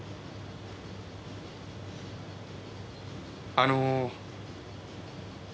あの。